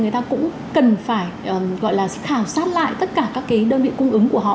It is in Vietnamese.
người ta cũng cần phải gọi là khảo sát lại tất cả các cái đơn vị cung ứng của họ